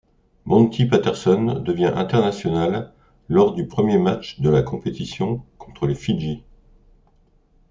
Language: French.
Monty Patterson devient international lors du premier match de la compétition, contre les Fidji.